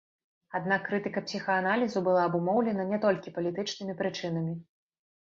Аднак крытыка псіхааналізу была абумоўлена не толькі палітычнымі прычынамі.